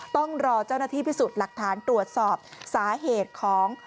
ต้องรอเจ้าหน้าที่พิสูจน์หลักฐานตรวจสอบสาเหตุของ